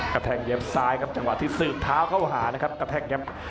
แทงเหยียมซ้ายครับจังหวะที่สืบเท้าเข้าหานะครับกระแทกครับ